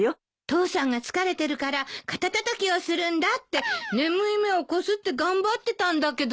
父さんが疲れてるから肩たたきをするんだって眠い目をこすって頑張ってたんだけどね。